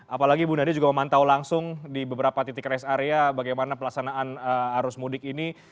apalagi bu nadia juga memantau langsung di beberapa titik rest area bagaimana pelaksanaan arus mudik ini